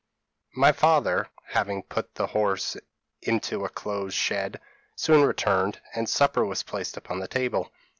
p> "My father, having put the horse into a close shed, soon returned, and supper was placed upon the table.